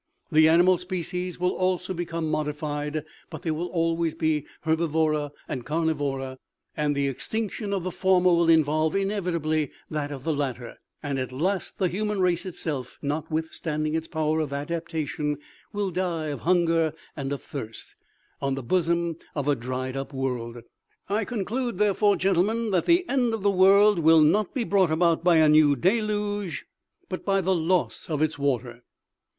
" The animal species will also become modified, but there will always be herbivora and carnivora, and the extinction of the former will involve, inevitably, that of the latter ; and at last, the human race itself, notwithstand ing its power of adaption, will die of hunger and of thirst, on the bosom of a dried up world. " I conclude, therefore, gentlemen, that the end of the world will not be brought about by a new deluge, but by the loss of its water.